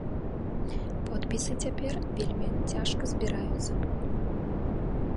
Подпісы цяпер вельмі цяжка збіраюцца.